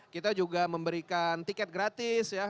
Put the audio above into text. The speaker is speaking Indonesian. kita juga memberikan tiket gratis ya